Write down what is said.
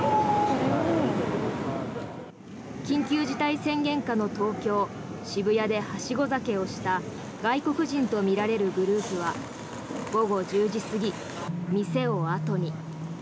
緊急事態宣言下の東京・渋谷ではしご酒をした外国人とみられるグループは午後１０時過ぎ、店をあとに。